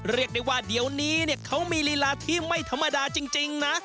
เรียกได้ว่าเดี๋ยวนี้เนี่ยเขามีลีลาที่ไม่ธรรมดาจริงนะ